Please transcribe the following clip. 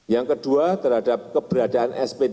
yang kedua terhadap keberadaan sp tiga